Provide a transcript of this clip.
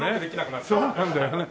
そうなんだよね。